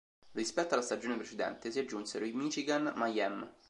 Rispetto alla stagione precedente, si aggiunsero i Michigan Mayhem.